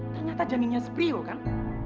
ternyata janinnya si prio kan